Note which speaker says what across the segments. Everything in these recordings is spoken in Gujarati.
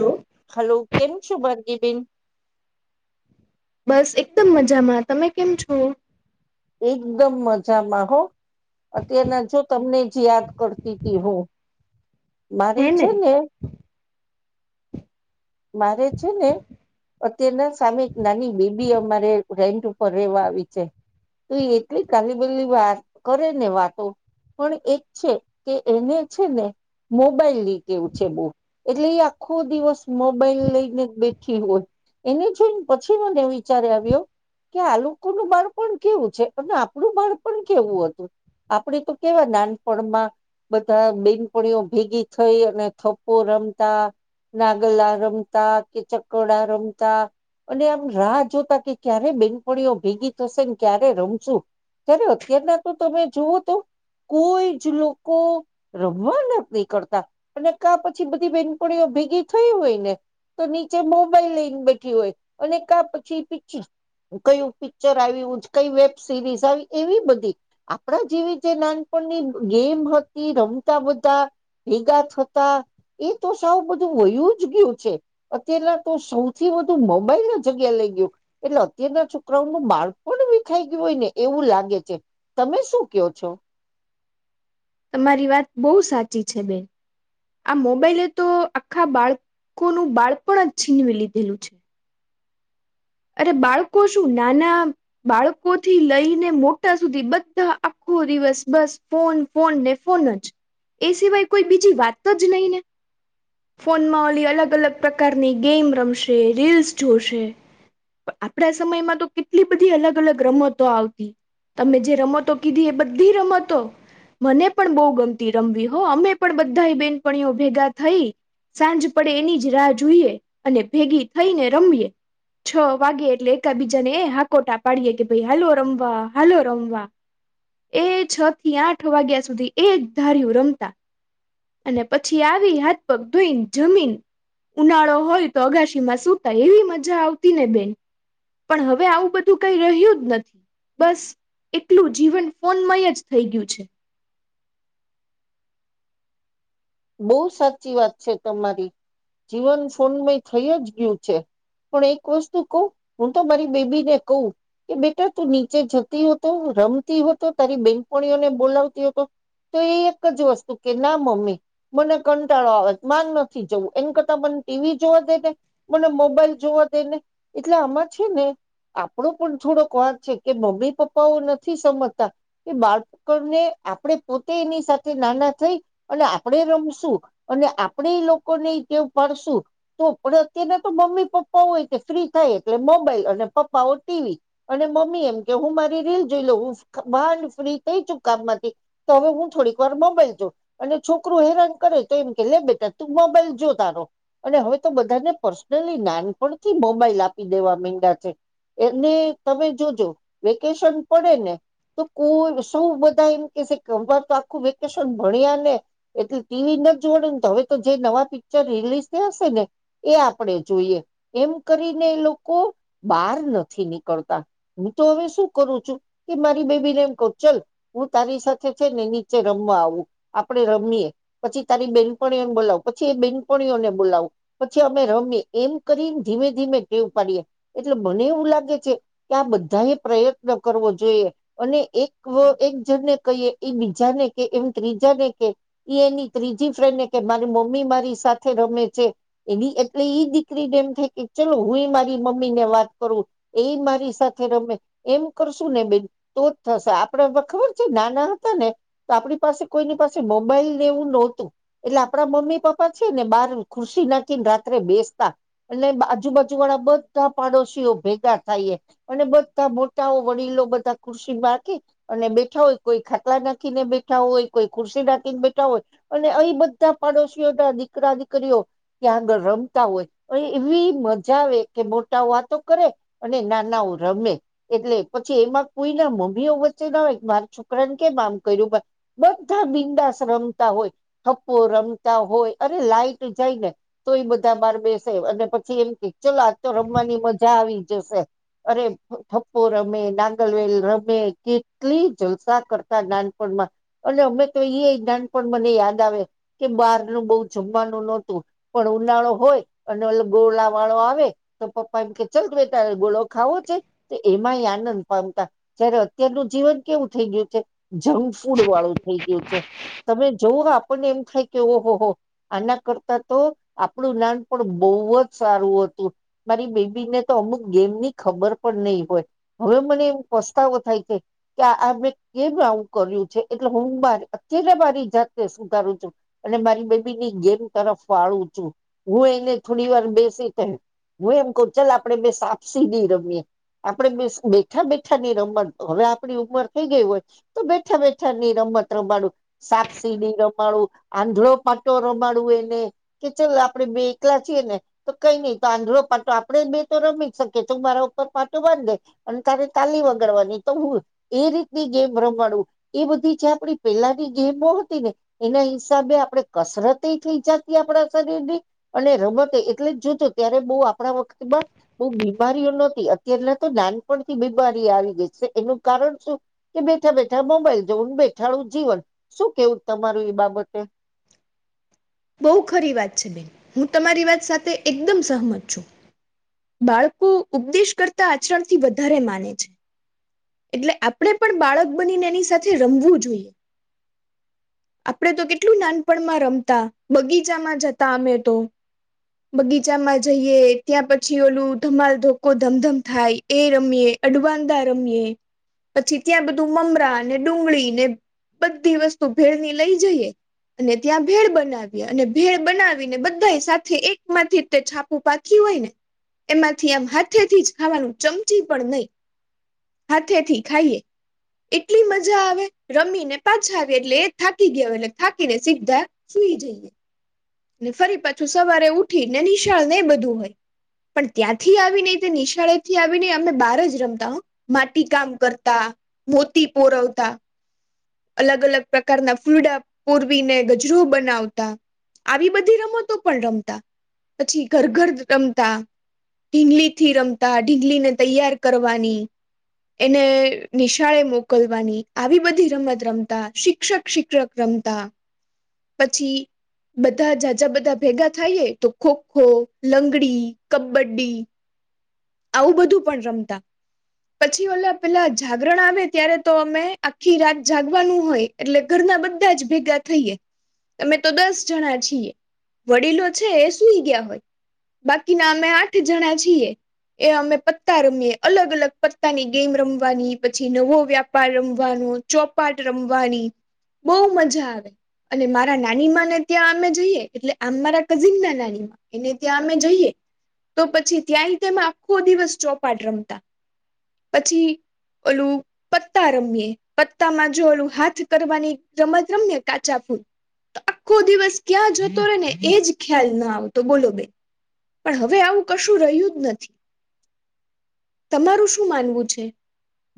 Speaker 1: હલો
Speaker 2: હલો કેમ છો ભરતી બેન
Speaker 1: બસ એકદમ મજામાં તમે કેમ છો
Speaker 2: એકદમ મજામાં હો અત્યારના જો તમને જ યાદ કરતી તી હુ મારે છે ને મારે છે ને અત્યારેના સામે એક નાની બેબી અમારે રેન્ટ ઉપર રેવા આવી છે તો એટલી કાલી બલી વાત કરે ને વાતો પણ એક છે કે એને છે ને મોબાઈલ નઈ કેવું છે બહુ એટલે એ આખો દિવસ મોબાઈલ લઈને બેઠી હોય એને જોઈને પછી મને વિચારે આવ્યો કે આ લોકોનું બાળ પણ કેવું છે અને આપણું બાળ પણ કેવું હતું આપડે તો કેવા નાનપણમાં બધા બેનપણીઓ ભેગી થઈ અને થપ્પો રમતા ગલા રમતા કે ચકોડા રમતા અને આમ રાહ જોતા કે ક્યારે બેનપણીઓ ભેગી થશે ને ક્યારે રમશું અત્યારના તું તમે જોવું તું કોઈ જ લોકો રમવાના ન કરતા અને કા પછી બધી બેનપણીઓ ભેગી થયું હોય ને તો નીચે મોબાઈલ લઈને બેઠી હોય અને કા પછી પીછી કયું પિક્ચર આવ્યું કઈ વેબ સિરીઝ આવી એવી બધી આપણા જેવી જે નાન પણ ની ગેમ હતી રમતા બધા ભેગા થતા એ તો સાૌ બધું વયું જ ગયું છે અત્ય્યારેના તો સૌથી વધુ મોબાઈલ ના જગ્યા લઈ ગયું એટલે અત્યારે છોકરાઓ નું માર્ગ પણ વિખાઈ ગયું હોય ને એવું લાગે છે તમે શું કહો છો
Speaker 1: તમારી વાત બહુ સાચી છે બેન આ મોબાઈલે તો આખા બાળકોનું બાળપ જ છીનવી લીધેલું છે અરે બાળકો શું નાના બાળકોથી લઈને મોટા સુધી બધા આખું આખું દિવસ બસ ફોન ફોન ને ફોન જ એ સિવાય કોઈ બીજી વાત તો જ નહીં ને ફોનમાં ઓલી અલગ અલગ પ્રકારની ગેમ રમશે રીલ્સ જોશે આપડા સમયમાં તો કેટલી બધી અલગ અલગ રમતો આવતી. તમે જે રમતો કીધી એ બધી રમતો મને પણ બહુ ગમતી રમવી હો અમે પણ બધા બેનપણીઓ ભેગા થઈ સાંજ પડે એની જ રાહ જોઈએ અને ભેગી થઈને રમીએ છ વાગે એટલે એક બીજાને હાકોટા પાડીએ કે ભાઈ હલો રમવા હલો રમવા એ છ થી આઠ વાગ્યા સુધી એક ધાર્યું રમતા અને પછી આવી હાથપગ ધોઈ જમીન ઉનાળો હોય તો અગાશીમાં સુતાય એવી મજા આવતી ને બેન પણ હવે આવું બધું કઈ રહ્યું જ નથી. બસ એટલું જીવન ફોનમય જ થઈ ગયું છે.
Speaker 2: બહુ સાચી વાત છે તમારી જીવન ફોનમય થઈ જ ગયું છે. પણ એક વસ્તુ કહુ હું તો મારી બેબી ને કહું કે બેટા તું નીચે જતી હો હતો રમતી હો હતો તારી બેનપણીઓને બોલાવતી હતો. તો એ એક જ વસ્તુ કે ના મમ્મી મને કંટાળો આવેત ન નથી જવું એમ કરતા મને ટીવી જોવા દે ને મને મોબાઈલ જો ના દેને એટલે આમાં છે ને આપણો પણ થોડોક વાક છે કે મમ્મી પપ્પાઓ નથી સમજતા કે બાળપકોને આપડે પોતે એની સાથે નાના થઈ અને આપણે રમશું અને આપણેે લોકોને ટેવ પાડશું તો પણ અત્યારના તો મમ્મી પપ્પા પ્પા હોય ફ્રી થાય એટલે મોબાઈલ અને પપ્પા હો ટીવી અને મમ્મી એમ કે હું મારી રીલ જોઈ લઉ માંડ ફ્રી થઈ છુ કામ માંથી તો હવે હું થોડીક વાર મોબાઈલ જોવ અને છોકરું હેરાન કરે તો એમ કે લે બેટા તું મોબાઈલ જો તારો અને હવે તો બધાને પર્સનલી નાનપણથી મોબાઈલ આપી દેવા માંગ્યા છે. એને તમે જોજો વેકેશન પડે ને તો કોઈ સૌ બધા એમ કે છે [unintelligible] કેર તો આખું વેકેશન ભણ્યા ને એટલે ટીવી નથ જોડેને તો હવે તો જે નવા પિક્ચર રિલીઝ થયા હશે ને એ આપડણે જોઈએ. એમ કરીને એ લોકો બહાર નથી નીકળતા હું તો હવે શું કરું છું. કે મારી બેબી ને એમ કહુ ચલ હું તારી સાથે છે ને નીચે રમવા આવું આપડ આપ રમીએ પછી તારી બેનપણીઓને બોલાવું પછી એ બેનપણીઓને બોલાવું પછી અમે રમીએ એમ કરીને ધીમે ધીમે ટેવ પાડીએ એટલે મને એવું લાગે છે કે આ બધા એ પ્રયત્ન કરવો જોઈએ અને એક એક જણને કહીએ એ બીજાને કે એમ ત્રીજા ને ઈ એ એની ત્રીજી ફ્રેન્ડ કે મારી મમ્મી મારી સાથે રમે છે એની એટલે ઈ દીકરી નેએમ થાય કે ચલો હું એ મારી મમ્મી ને વાત કરું એ મારી સાથે રમે એમ કરશું ને બેન તો જ થશે આપડ ખબર છે નાના હતા ને તો આપણી પાસે કોઈની પાસે મોબાઈલ ને એવું નહોતું એટલે આપણા મમ્મી પપ્પા છે ને બહાર ખુશ નાખીને રાત્રે બેસ તા એટલે આજુ બાાજુ વાળા બધા પાડોશીઓ ભેગા થાય અને બધા મોટા વડીલો બધા ખુરશી માંખી અને બેઠા હોય કોઈ ખાટલા નાખીને બેઠા હોય કોઈ ખુરશી નાકીને બેઠા હોય અને અઇ બધા પાડોશીઓ ના દીકરા દીકરીઓ ત્યાં આગળ રમ તા હોય એવી મજા આવે કે મોટા વાતો કરે અને નાનાઓ રમે એટલે પછી એમાં કોઈ ના મમ્મી ઓ વચ્ચે ના હોય મારા છોકરાને કેમ આમ કર્યું પણ બ બધા બિંડાસ રમતા હોય ઠપ્પો રમતા હોય અરે લાઈટ જાય ને તો એ બધા બાર બેસે અને પછી એમ કે ચલ આજ તો રમવાની મજા આવી જશે. અરે થઠપ્પુ રમે, નાંગલવેલ રમે, કેટલી જલસા કરતા નાનપણ માં અને અમે તો એાન પણ મને યાદ આવે કે બહાર નું બહુ જમવાનું નહોતું પણ હ ઉનાળો હોય અને ગોળા વાળો આવે તો પપ્પા એમ કે ચાલ બેટા ગોળો ખાવો છે. તો એમાંય આનંદ પામતા જ્યારે અત્યારનું જીવન કેવું થઈ ગયું છે જંક ફૂડ વાળું થઈ ગયું છે. તમે જોઓ આપણને એમ થાય કે ઓ હો હો આના કરતા તો આપણું નાન પણ બોવ જ સારું હતું મારી બેબીને તો અમુક ગેમની ખબર પણ નહી હોય હવે મને એમ પસ્તાવો થાય છે કે મે કેમ આવુ કર્યું છે. એટલે હું મા અત્યારે મારી જાતને સુુધારુ છું અને મારી બેબીની ગેમ તરફ વાળું છું. હું એને થોડી વાર બેસી કે હું એમ કવ ચાલ આપડે બે સાપસી રમીએ આપણે બેઠા બેઠાની રમત હવે આપણી ઉંમર થઈ ગઈ હોય તો બેઠા બેઠા ઠાની રમત રમાડું સાપસીડી રમાડું આંધળો પાટો રમાડું એને કે ચાલ આપડે બે એકલા છીએ ને તો કઈ નઈ તો આંધળો પાટો આપડે બે તો રમી જ શકીએ છે મારો પાટો બાંધ દે અને તારી તાલી વગાડવાની તો હું એ રીતની ગેમ રમાડું એ બધી જે આપણી પેલાની ગેમો હતી ને એના હિસાબે આપણે કસરત એ થઈ જતી આપણા શરીરની અને રમત એટલે જોતો ત્યારે બોવ આપણા વખતમાં બો બીમારીઓનો અત્યારના તો નાનપણથી બીમારી આવી ગઈ છે એનું કારણ શું કે બેઠા બેઠા મોબાઈલ જોવાનુ બેઠાળું જીવન શું કેવું તમારું એ બાબતે
Speaker 1: બોવ ખરી વાત છે બેન હું તમારી વાત સાથે એકદમ સહમત છું. બાળકો ઉપદેશ કરતા આચરણથી વધારે માને છે. એટલે આપણેે પણ બાળક બનીને એની સાથે રમવું જોઈએ. આપણેે તો કેટલું નાનપણમાં રમતા બગીચામાં જતા અમે તો બગીચામાં જઈએ ત્યાં પછી ઓલું ધમાલ ધોકો ધમધમ થાય એ રમીએે અડવાંદા રમીએ પછી ત્યાં બધું મમરાને ડુંગળીને બધી વસ્તુ ભેળની લઈ જઈએ. અને ત્યાં ભેળ બનાવીએ અને ભેળ બનાવીને બધા સાથે એક માંથી તે છાપું પાકી હોય ને એમાંથી આમ હાથેથી જ ખાવાનું ચમચી પણ નઈ હાથેથી ખાઈએ એટલી મજા આવે રમીને પાછા આવે એટલે એ થાકી ગયો એટલે થાકીને સીધા ને ફરી પાછું સવારે ઉઠી ને નિશાળ ને બધું હોય. પણ ત્યાંથી આવીને નિશાળેથી આવીને અમે બહાર જ રમતા હો માટી કામ કરતા મોતી પોરવતા અલગ અલગ પ્રકારના ફૂલડા પૂરવીને ગજરુ બનાવતા આવી બધી રમતો પણ રમતા પછી ઘર ઘર રમતા ઢીંગલીથી રમતા ઢીંગલી ને તૈયાર કરવાની એને નિશાળે મોકલવાની આવી બધી રમત રમતા શિક્ષક શિક્ષક રમતા પછી બધા જાજા બધા ભેગા થાયએ તો ખોખો લંગડી કબડ્ડી આવું બધું પણ રમતા પછી ઓલા પેલા જાગરણ આવે ત્યારે તો અમે આખી રાત જાગવાનું હોય એટલે ઘર ના બધા જ ભેગા થઈએ. અમે તો દસ જણા છીએ વડીલો છે એ સુઈ ગયા હોય બાકીના અમે આઠ જણા છીએ એ અમે પત્તા રમીએ અલગ અલગ પત્તાની ગેમ રમવાની પછી નવો વ્યાપાર રમવા વાનુ ચોપાટ રમવાની બોવ મજા આવે અને મારા નાનીમાંને ત્યાં અમે જઈએ એટલે આમ મારા કઝિન ના નાની માં એને ત્યાં અમે જઈએ. તો પછી ત્યાંય તેમાં આખો દિવસ ચોપાટ રમતા પછી ઓલું પત્તા રમીએે પત્તામાં જો ઓલું હાથ કરવાની રમત રમી કાચા ફૂલ આખો દિવસ ક્યાં જતો રે ને એજ ખ્યાલ ના આવતો બોલો બેન પણ હવે આવું કશું રહ્યું જ નથી તમારું શું માનવું છે.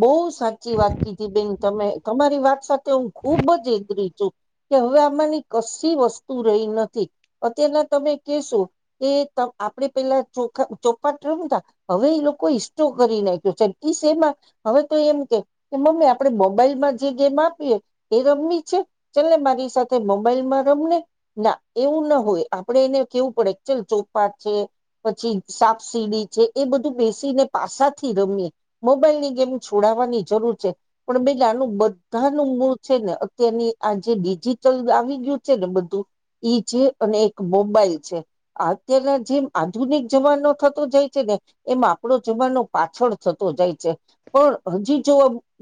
Speaker 2: બોવ સાચી વાત કીધી બેન તમે તમારી વાત સાથે હું ખુબ જ એગરી છું કે હવે આમાંની કશી વસ્તુ રહી નથી તમે કશો એ આપણે પેલા ચોખા ચોપાટ રમતા હવે એ લોકો કરી નાખ્યો છે સેમાં હવે તો એમ કે કે મમ્મી આપડે મોબાઈલ માં જે ગેમ આપી એ રમી છે ચ મારે સાથે મોબાઈલમાં રમને ના એવું ના હોય આપડે એને કેવું પડેચલ ચોપા છે પછી સાપ સીડી છે એ બધું બેસીને પાસાથી રમીએ મોબાઈલ ની મ છોડવાની જરૂર છે પણ બે આનું બધા ન મૂળ છે ને અત્યારની આ જે જી ચલ આવી ગયું છે ને બધું ઈ છે અને એક મોબાઈલ છે અત્યારના જેમ આધુનિક જમાનો થતો જાય છે એમાં આપણો જીવન ન પાછળ થતોું જાય છે પણ હજી જો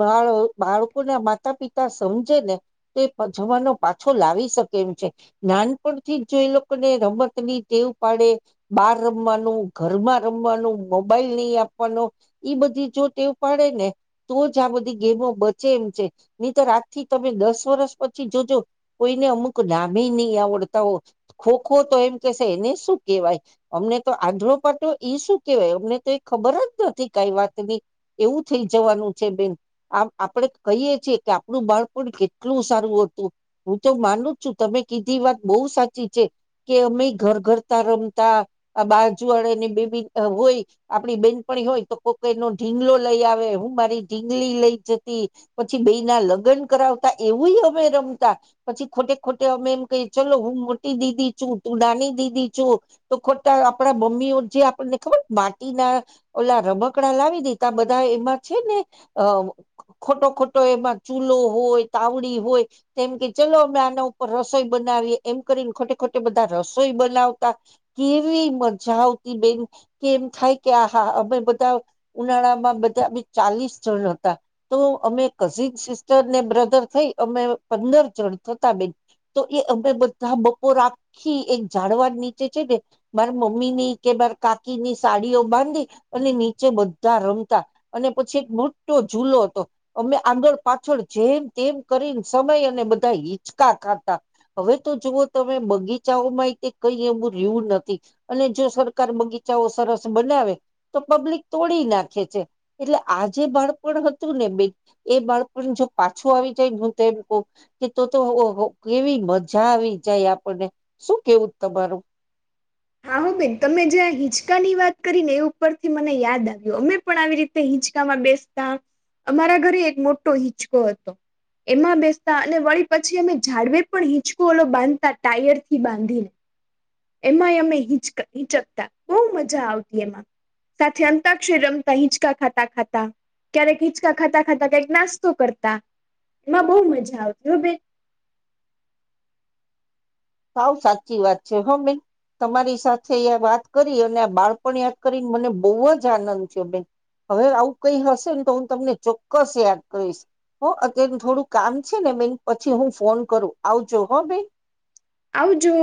Speaker 2: બા બાળકોના માતા પિતા સમજે ને તો જ પાછો લાવી શકે એમ છે નાનપણથી જો એ લોકોને રમત ની ટેવ પાડે બાર રમવાનું ઘરમાં રમવાનું મોબાઈલ નહી આપવાનો ઈ બધી જો તે પડે ને તો જ આ બધી ગેમો બચે એમ છે નહી તોર રાત થી તમે દસ વર્ષ પછી જો કોઈને અમુક નામે નહી આવડતા હો ખોખો તો એમ કેશે એને શું કેહેવાય અમને તો આધડો પાટો ઈ શું કેવાય અમને તો એ ખબર જ નથી કઈ વાતની એવું થઈ જવાનું છે બેન આપણે કહીએ છીએ કે આપણું બાળપણ કેટલું સારું હું તો માનું છું તમે કીધી વાત બહુ સાચી છે કે અમે ઘર ઘર તાર બાજુળની બેબી હોય આપણી બેન પણ હોય તો કોકઈ ન ઢીંગલો લઈ આવે હું મારી ઢીંગલી લઈ જતી પછી બે ના લગ્ન કરાવતા એવું અમે રમતા પછી ખોટે ખોટે અમે એમ કહીએ ચલો હું મોટી દીદી છું તું નાની દીદી છુ તો ખોટા આપડા બમ્મી ઓ જે આપણને ખબર માટી ના ઓલા રબકડા લાવી દી બધા એમાં છે ને ખોટો ખોટો એમાં ચૂલો હોય તાવડી હોય મ કે ચલો અમે આના ઉપર રસોઈ બનાવીએ એમ કરીને ખોટે ખોટે બધા રસોઈ બનાવતા કેવી મજા આવતી બેન કેમ થાય કે આ હા અમે બધા ઉનાળામાં બધા બે ચાલીસ જણ હતા તો અમે કઝિન સિસ્ટર ને બ્રધર થઈ અમે પંદર જણ થતા બેન તો એ અમે બધા બપોર રાખી એક જાઝડવા નીચે છે ને મારા મમ્મી ની કે કાકી ની સાડીઓ બાંધી અને નીચે બધ રમતા અને પછી એક મોટો ૂલો હતો અમે આંધળ પાછળ જેમ તેમ કરી સમય અને બધા હિચકા ખાતા હવે તો જુઓ તમે બગીચાઓમાં કઈ રું નથી અને જો સરકાર બગીચાઓ સરસ બનાવે તો પબ્લિકડી નાખે છે એટલે આ જે બાળપણ હતું ને બે એ બાળપણ જો પાછું આવી જાય હું તો એમ કહ કે તો તો કેવી મજા આવી જાય આપણને શું કેવું બારું
Speaker 1: હા હો બેન તમે જ્યાં હિંચકા ની વાત કરી ને એ ઉપર થી મને યાદ આવ્યું અમે પણ આવી રીતે હિંચકામાં બે અમારા ઘરે એક મોટો હિચકો હતો એમાં બેસતા અને વળી પછી અમે ઝાડવેર પણ હીંચકુ ઓલો બાંધતા ટાયર થી બાંધીને એમાં અમે હિચ હિચકતા બહુ મજા આવતી એમાં સાથે અંતાક્ષર રમતા હિંચકા ખાતા ખાતા ક્યારેક હિચકા ખાતા ખાતા કંક નાસ્તો કરતા એમાં બહુ મજા આવતી હોય બેન
Speaker 2: સાવ સાચી વાત છે હ્મી તમારી સાથે વાત કરી અને આ બાળપણ યાદ કરીને મને બહુ જ આનંદ છે બેન હવે આવું કઈ હશે ને તો હું તમને ચોક્કસ યાદ કરીશ હ અત્ય્યારે થોડું કામ છે ને બેન પછી હું ફોન કરું આવજો હો બેન
Speaker 1: આવજુ